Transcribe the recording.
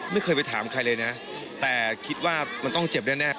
ไม่เคยไปถามใครเลยนะแต่คิดว่ามันต้องเจ็บแน่